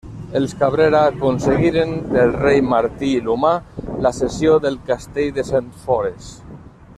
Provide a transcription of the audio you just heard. Els Cabrera aconseguiren del rei Martí l'Humà la cessió del castell de Sentfores.